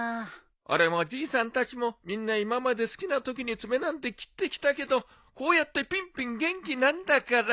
俺もじいさんたちもみんな今まで好きなときに爪なんて切ってきたけどこうやってピンピン元気なんだから。